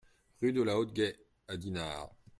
Rue de la Haute Guais à Dinard